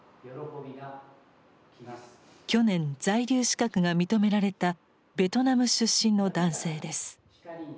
去年在留資格が認められたベトナム出身の男性です。